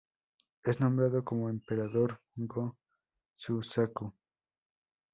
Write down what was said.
Es nombrado como Emperador Go-Suzaku.